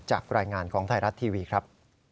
จากรายงานของไทยรัฐทีวีครับ